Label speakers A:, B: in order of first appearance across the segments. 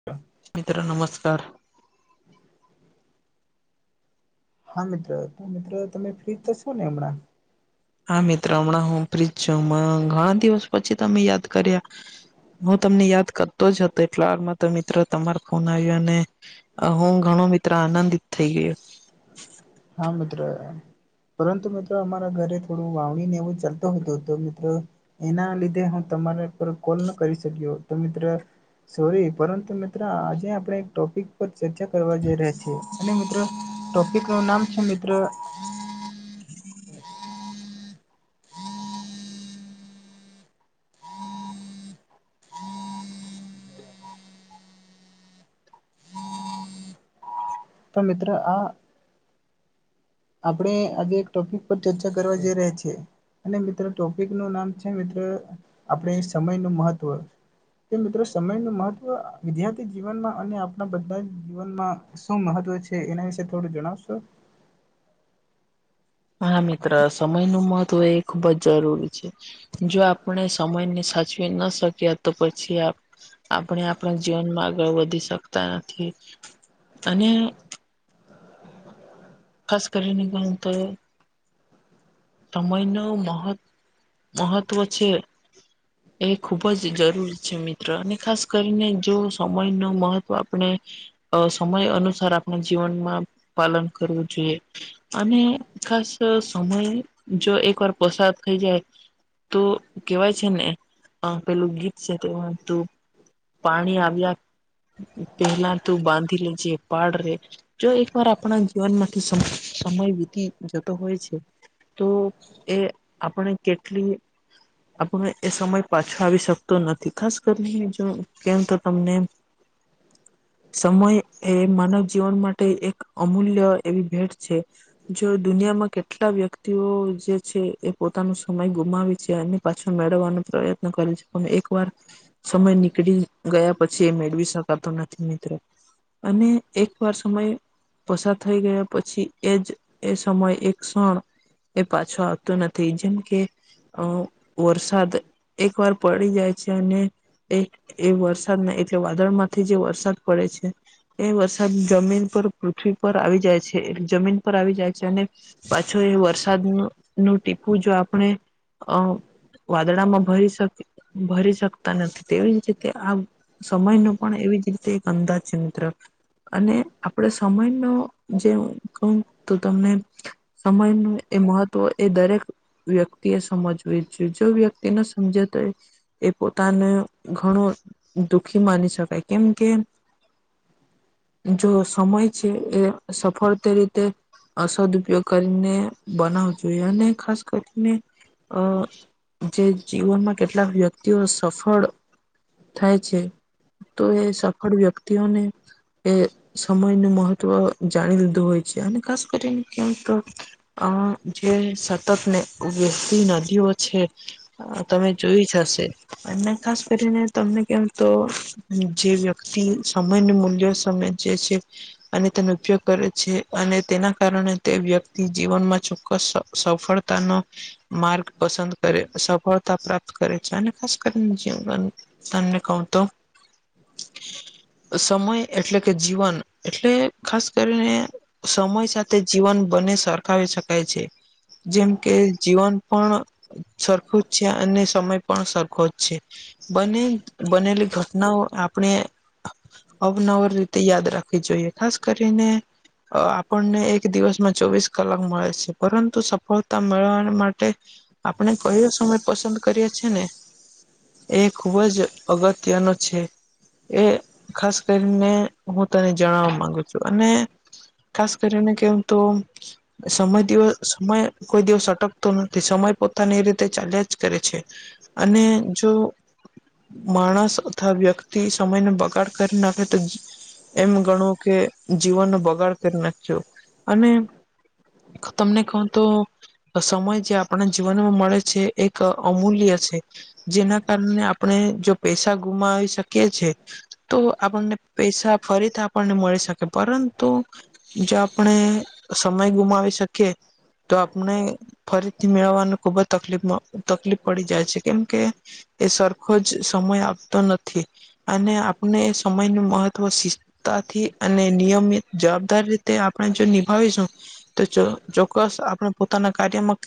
A: [inaudible]
B: મિત્ર નમસ્કાર
A: હા મિત્ર તો મિત્ર તમે ફ્રીજ તો છો ને હમણાં
B: હા મિત્ર હમણાં હું ફ્ર્રીજ છું મ ઘણા દિવસ પછી તમે યાદ કર્યા હું તમને યાદ કરતો જ હતો એટલા વારમાં તો મિત્રો તમાર ફોન આવ્યો અને- હું ઘણો મિત્ર આનંદિત થઇ ગયો
A: હા મિત્રો પરંતુ મિત્ર અમારા ઘરે થોડું વાવણી ને એવું ચાલતુ હતું તો મિત્ર એના લીધે હું તમારા પર કોલ ન કરી શક્યો તો મિત્ર સોરી પરંતુ મિત્ર આજે આપણે એક ટોપિક પર ચર્ચા કરવા જઈ રહ્યા છીએ અને મિત્રો ટોપિક નું નામ છે મિત્ર તો મિત્રો આ આપણે આજે એક ટોપિક પર ચર્ચા કરવા જઈ રહ્યા છીએ અને મિત્ર ટોપિક નું નામ છે મિત્ર આપણે સમય નું મહત્વ કે મિત્ર સમય નું મહત્વ વિદ્યાર્થી જીવનમાં અને આપણા બધા જીવનમા શું મહત્વ છે એના વિશે થોડું જણાવશો
B: હા મિત્ર સમય નું મહત્ત્વ એ ખુબ જ જરૂરી છે. જો આપણે સમયને સાચવી ના શક્યા તો પછી આપણે આપણા જીવનમાં આગળ વધી શકતા નથી અને ખાસ કરીને હું તો. સમય નો મહત મહત્વ છે. એ ખૂબ જ જરૂરી છે મિત્ર અને ખાસ કરીને જો સમય નુ મહત્ત્વ આપણે અ સમય અનુસાર આપણે જીવનમાં પાલન કરવું જોઈએ. અને ખાસ સમય જો એક વાર પસાર થઈ જાય. તો કેહેવાય છે ને આ પેલું ગીત છે. પાણી આવ્યા પેલા તું બાંધી લેજ પાડ રે. જો એક વાર આપણા જીવન માંથી સમય વીતી જતો હોય છે. તો એ આપણે કેટલી. આપણ એ સમય પાછો આવી શકતો નથી ખાસ કરીને જો કેમ તો તમને સમય એ માનવ જીવન માટે એક અમૂલ્ય એવી ભેટ છે જો દુનિયામાં કેટલા વ્યક્તિઓ જે છે એ પોતાનો સમય ગુમાવે છે અને પાછો મેળવવાનો પ્રયત્ન કર્યો છે પણ એક વાર સમય નીકળી ગયા પછી એ મેળવી શકાતો નથી મિત્રો અને એક વાર સમય પસાર થઈ ગયા પછી એજ એ સમયે એક ક્ષણ એ પાછો આવતું નથી જેમ કે અ વરસાદ એક વાર પડી જાય છે અને એ એ વરસાદ ના એટલે વા વાદર માંથી જે વરસાદ પડે છે એ વરસાદ જમીન પર પૃથ્વી પર આવી જાય છે જમીન પર આવી જાય છે અને પાછો એ વરસાદ નું ટીપું જો આપણે અ વાદળામાં ભરી શકે ભરી શકતા નથી તેવી કે આ સમય ન પણ એવી જ રીતે એક અંદાજિત્ર અને આપડ સમય નો જે કહ તો તમને સમય ન એ મહત્વ એ દરેક વ્યક્તિ એ સમજવી જોઈએ જો વ્યક્તિને સમજે તો એ પોતાને ઘણું દુખી માની શકાય કેમ કે જો સમય છે એ સફળતા રીતે અ સદ ઉપયોગ કરીને બનાવવો જોઈએ અને ખાસ કરીને અ જે જીવનમાં કેટલાક વ્યક્તિઓ સફળ થાય છે તો એ સફળ વ્યક્તિઓને એ સમય નું મહત્વ જાણી લીધું હોય છે અને ખાસ કરીને ક્યાં તો અ જે સતતને વહેતી નદીઓ છે તમે જોઈ જ હશે અને ખાસ કરીને તમને કેમ તો જે વ્યક્તિ સમય ન મૂલ્યો સમમે જે છે અને તેનો ઉપયોગ કરે છે અને તેના કારણે તે વ્યક્તિ જીવનમાં ચોક્કસ સફળ માર્ગ પસંદ કરે સફળતા પ્રાપ્ત કરે છે અને ખાસ કરીને તમને કહ તો સમય એટલે કે જીવન એટલે ખાસ કરીને સમય સાથે જીવન બને સરખાવી શકાય છે જેમ કે જીવન પણ સરખું જ છે અને સમય પણ સરખો જ છે બને બનેલી ઘટનાઓ આપણે અવનવર રીતે યાદ રાખવી જોઈએ ખાસ કરીને અ આપણને એક દિવસમાં ચોવીસ કલાક મળે છે પરંતુ સફળતા મળવા માટે આપણે કયો સમય પસંદ કરીએ છેએ ને એ ખૂબ જ અગત્યનો છે એ ખાસ કરીને હું તને જણાવવા માંગુ છું અને ખાસ કરીને કેમ તો સમય દિવસ સમય કોઈ દિવસ સટક નથી સમય પોતાની એ રીતે ચાલ્યા જ કરે છે અને જો માણસ અથવા વ્યક્તિ સમયને બગાડ કરી નાખે તો એમ ગણવું કે જીવનનો બગાડ કરી નાખ્યો અને તમને કહો તો સમય જે આપણા જીવનમાં મળે છે એક અમૂલ્ય છે જેના કારણે આપણે જો પૈસા ગુમાવી શકે છે તો આપણને પૈસા ફરીથી આપણને મળી શકે પરંતુ જો આપણે સમય ગુમાવી શકીએ તો આપણે ફરીથી મેળવવાનું ખુબ જ તકલીફ તકલીફ પડી જાય છે કેમકે એ સરકાર જ સમય આપતો નથી અને આપણે સમય નું મહત્વ તાથી અને નિયમિત જવાબદાર રીતે આપણે જો નિભાવીશું તો ચોક્કસ આપણે પોતાના કાર્યમાં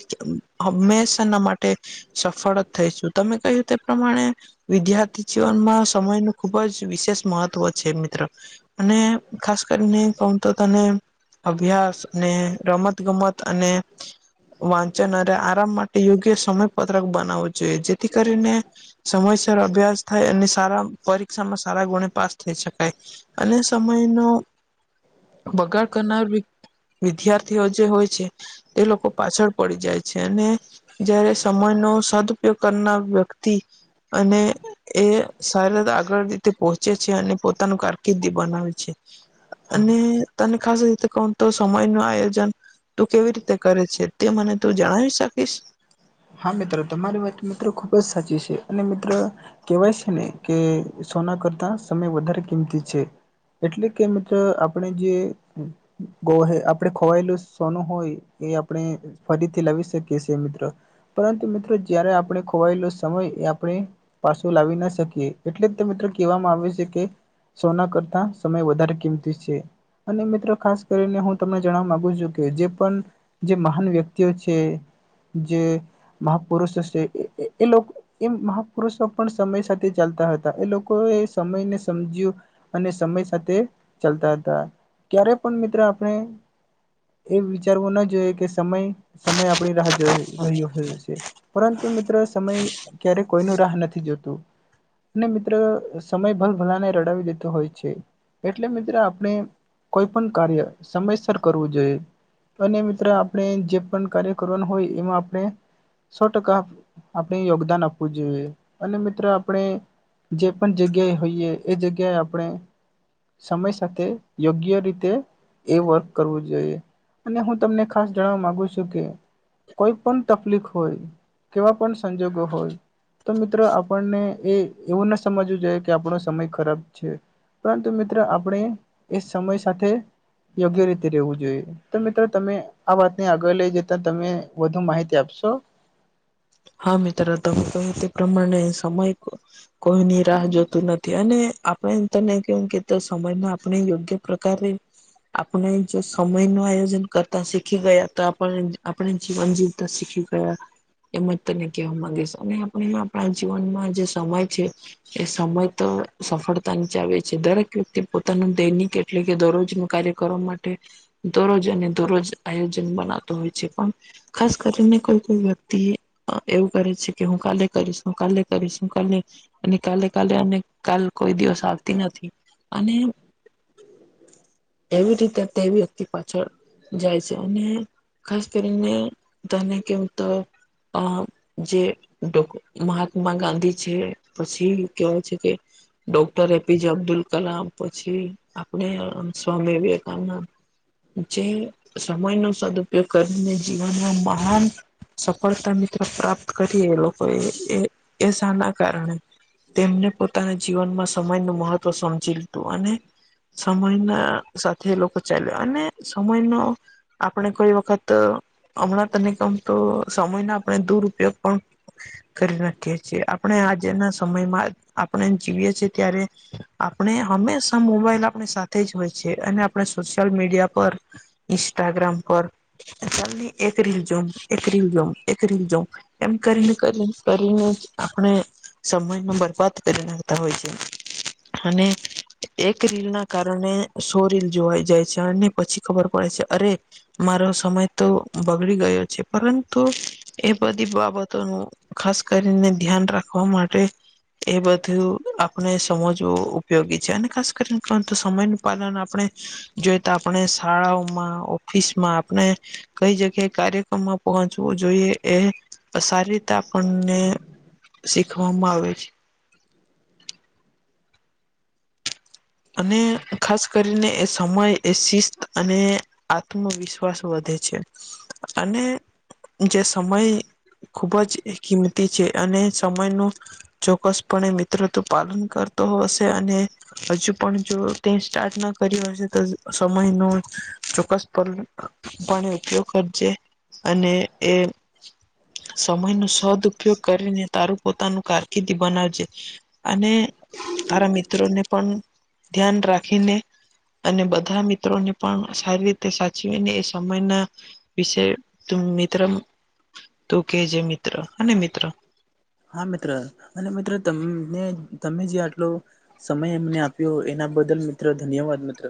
B: હંમેશાના માટે સફળ જ થઈશું તમે કહ્યું તે પ્રમાણે વિદ્યાર્થી જીવનમાં સમયનું ખુબ જ વિશેષ મહત્વ છે મિત્ર અને ખાસ કરીને કહું તો તને અભ્યાસ અને રમત ગમત અને વાંચન અને આરામ માટે યોગ્ય સમયપત્રક બનાવવું જોઈએ જેથી કરીને સમયસર અભ્યાસ થાય અને સારા પરીક્ષામાં સારા ગણે પાસ થઈ શકાય અને સમયનો બગાડ કરનાર વ વિદ્યાર્થીઓ જે હોય છે તે લોકો પાછળ પડી જાય છે અને જયારે સમય નો સદઉપયોગ કરનાર વ્યક્તિ અને એ [unintelligible] આગળ રીતે પહોંચે છે અને પોતાનું કારકિર્દી બનાવે છે અને તને ખાસ રીતે કો તો સમય નું આયોજન તું કેવી રીતે કરે છે તે મને તું જણાવી શકીશ
A: હા મિત્ર તમારી વાત મિત્ર ખુબ જ સાચી છે અને મિત્ર કેવાય છે ને કે સોના કરતા સમય વધારે કિંમતી છે એટલે કે મિત્ર આપણે જે બોહે આપડે ખોવાયેલું સોનું હોય એ આપણે ફરીથી લાવી શકીએ છે મિત્રો પરંતુ મિત્ર જયારે આપણે ખોવાયેલો સમય એ આપણે પાછો લાવી ના શકીએ એટલે જ મિત્ર કેવામાં આવે છે કે સોના કરતા સમય વધારે કિંમતી છે અને મિત્રો ખાસ કરીને હું તમને જાણવા માગુ છું કે જે પણ જે મહાન વ્યક્તિઓ છે જે મહાપુરુષો છે એ [unintelligible] એ મહાપુરુષો પણ સમય સાથે ચાલતા હતા એ લોકોએ સમયને સમજ્યું અને સમય સાથે ચાલતા હતા ક્યારે પણ મિત્ર આપણે એ વિચારવું ના જોઈએ કે સમય સમય આપણી રાહ જો રહ્યો [unintelligible] પરંતુ મિત્ર સમય ક્યારે કોઈ નો રાહ નથી જોતું અને મિત્ર સમય ભલ ભલાને રડાવી દેતો હોય છે એટલે મિત્ર આપણે કોઈ પણ કાર્ય સમયસર કરવું જોઈએ અને મિત્ર આપણે જે પણ કાર્ય કરવાનું હોય એમાં આપણે સો ટકા આપણે યોગદાન આપવું જોઈએ અને મિત્રો આપણે જે પણ જગ્યાએ હોઈએ એ જગ્યાએ આપણે સમય સાથે યોગ્ય રીતે એ વર્ક કરવું જોઈએ અને હું તમને ખાસ જણવા માંગુ છું કે કોઈ પણ તકલીફ હોય એવા પણ સંજોગો હોય તો મિત્ર આપણને એ એવું ના સમજવું જોઈએ કે આપણો સમય ખરાબ છે પરંતુ મિત્ર આપણે એ સમય સાથે યોગ્ય રીતે રેવું જોઈએ તો મિત્રો તમે આ વાતને આગળ લઈ જતા તમે વધુ માહિતી [unintelligible]
B: હા મિત્રો [unintelligible] [unintelligible] તે પ્રમાણે સમય કોઈની રાહ જોતું નથી અને આપણે તને [unintelligible] કે સમયમાં આપણે યોગ્ય પ્રકારારે આપણે જે સમય નું આયોજન કરતા શીખી ગયા [unintelligible] આપણે જીવન જીવ તો શીખી [unintelligible] એમ જ તને કહેવા માંગીશ અને આપણે આપણા જીવનમાં જે સમય છે એ સમય તો સફળતા ની ચાવી છે દરેક વ્યક્તિ પોતાનું દૈનિક [unintelligible] દરરોજ નુ કાર્ય કરવા માટે દરરોજ અને દોરોજ આયોજન બનાતો હોય છે પણ ખાસ કરીને કોઈ કોઈ [unintelligible] એવું કરે છે કે હું કાલે કરીશું કાલે કરીશું કાલે અને કાલે કાલે અને કાલ કોઈ દિવસ આવતી નથી અને
A: [unintelligible]
B: એવી રીતે તે વ્યક્તિ પાછળ જાય છે અને ખાસ કરીને [unintelligible] કે ઉતર અ જે મહાત્મા ગાંધી છે પછી કેવાય છે કે ડો. એપીજે અબ્દુલ કલામ પછી આપણે સ્વામી વિવેકાનંદ, જે સમય નો સદઉપયોગ કરીને જીવનમાં મહાન, ફળતા મિત્ર પ્રાપ્ત કરીએ એ લોકો એ શાના કારણે, તેમને પોતાના જીવનમાં સમયનું મહત્વ સમજી લીધું અને, સમય ના સાથે લોકો ચાલ્યા અને સમયનો, આપણે કોઈ વખત હમણાં તને કહ્યું તો, સમય ના આપણે દુરઉપયોગ પણ, કરી નાખીએ છીએ આપણે આજેના સમયમાં આપણે જીવીએ છીએ ત્યારે, આપણે હંમેશા મોબાઈલ આપણ સાથે જ હોય છે અને આપણે સોશિયલ મીડિયા પર, ઈન્સ્ટાગ્રામ પર ચાલ એક રીલ જો, એક રીલ જો એવું કરીને કરીને આપણે, સમયમાં બરબાદ કરી નાખતા હોય છે અને, એક રીલ ના કારણે સો રીલ જોવાઈ જાય છે અને પછી ખબર પડે છે અરે, મારો સમય તો બગડી ગયો છે પરંતુ એ બધી બાબતોનું, ખાસ કરીને ધ્યાન રાખવા માટે, એ બધું આપણે સમજવું ઉપયોગી છે અને ખાસ કરીને પરંતુ સમયનું પાલન આપણે, જોઈ તો આપણે શાળાઓમાં ઓફિસમાં આપણે કઈ જગ્યાએ કાર્ય, પહોચવું જોઈએ એ સારી રીતે આપણને, શિખવામાં આવે છે. અને ખાસ કરીને એ સમય એ શિસ્ત અને આત્મવિશ્વાસ, વધે છે અને જે સમય, ખૂબ જ કિંમતી છે અને સમયનું, ચોક્કસપણે મિત્ર તો પાલન કરતો હશે અને હવે, પણ જો, તે સ્ટાર્ટ ના કરી હશે તો સમયનો ચોક્કસ પણે ઉપયોગ કરજે,
A: હમ.
B: અને એ, સમયનો સદ ઉપયોગ કરીને તારું પોતાનું કારકિર્દી બનાવજે, અને તારા મિત્રોને પણ, ધ્યાન રાખીને અને બધા મિત્રોને, પણ સારી રીતે સાચવીને એ સમયના વિશે મિત્ર, તું કેજે મિત્ર હને મિત્ર.
A: હા મિત્ર અને મિત્ર તને તમે જે આટલો, સમય એમને આપ્યો એના બદલ મિત્રો ધન્યવાદ મિત્ર.